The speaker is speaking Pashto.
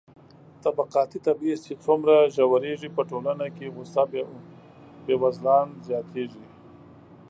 طبقاتي تبعيض چې څومره ژورېږي، په ټولنه کې غوسه بېوزلان زياتېږي.